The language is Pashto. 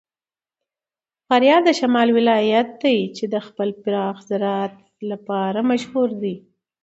فاریاب د شمال ولایت دی چې د خپل پراخ زراعت لپاره مشهور دی.